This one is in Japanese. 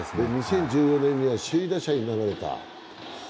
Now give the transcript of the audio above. ２０１４年には首位打者になられた。